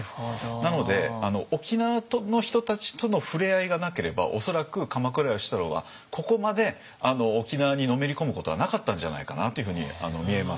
なので沖縄の人たちとのふれあいがなければ恐らく鎌倉芳太郎はここまで沖縄にのめり込むことはなかったんじゃないかなというふうに見えます。